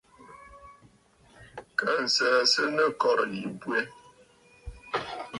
Kaa nsəə sɨ nɨ kɔ̀rə̀ yì bwɛ.